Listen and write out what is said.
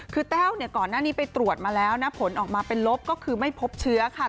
คือแต้วเนี่ยก่อนหน้านี้ไปตรวจมาแล้วนะผลออกมาเป็นลบก็คือไม่พบเชื้อค่ะ